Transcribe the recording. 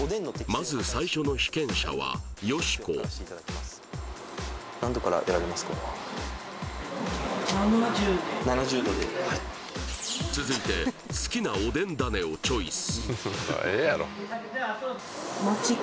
まず最初の被験者はよしこ続いて好きなおでんダネをチョイス７０℃